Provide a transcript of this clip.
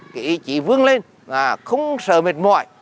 cái ý chí vương lên không sợ mệt mỏi